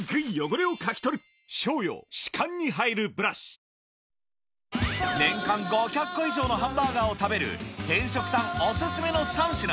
まずは、年間５００個以上のハンバーガーを食べる、偏食さんお勧めの３品。